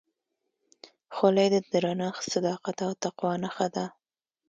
خولۍ د درنښت، صداقت او تقوا نښه ده.